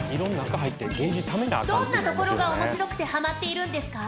どんなところが面白くてハマっているんですか？